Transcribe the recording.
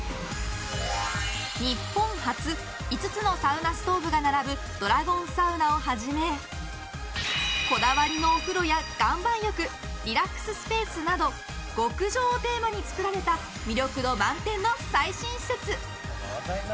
日本初５つのサウナストーブが並ぶドラゴンサウナをはじめこだわりのお風呂や岩盤浴、リラックススペースなど極上をテーマに作られた魅力度満点の最新施設。